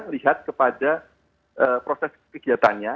lihat kepada proses kegiatannya